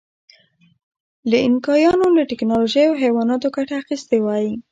که اینکایانو له ټکنالوژۍ او حیواناتو ګټه اخیستې وای.